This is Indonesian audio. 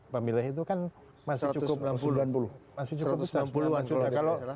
pemilih itu kan masih cukup